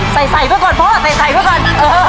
ใส่ใส่เพื่อก่อนพ่อใส่เพื่อก่อน